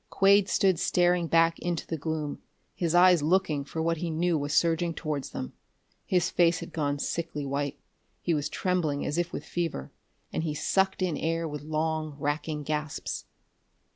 Quade stood staring back into the gloom, his eyes looking for what he knew was surging towards them. His face had gone sickly white, he was trembling as if with fever, and he sucked in air with long, racking gasps.